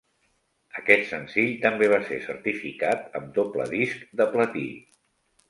Aquest senzill també va ser certificat amb doble disc de platí.